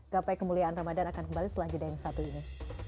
gapai kemuliaan ramadhan akan kembali setelah jeda yang satu ini